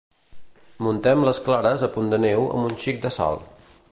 Muntem les clares a punt de neu amb un xic de sal.